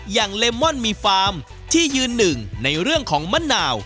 เลมอนมีฟาร์มที่ยืนหนึ่งในเรื่องของมะนาว